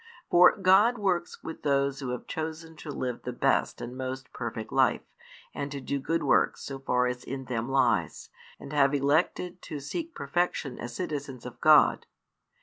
For God works with those who have chosen to live the best and most perfect life, and to do good works so far as in them lies, and have elected to seek perfection as citizens of God.